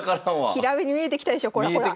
ひらめに見えてきたでしょほら！